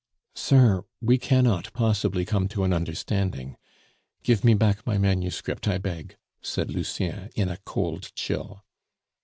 "Sir, we cannot possibly come to an understanding. Give me back my manuscript, I beg," said Lucien, in a cold chill.